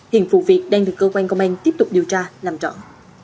hiện phụ việc đang được cơ quan công an tiếp tục điều tra làm trọn